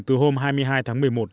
từ hôm hai mươi hai tháng một mươi một